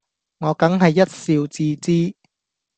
我梗係一笑置之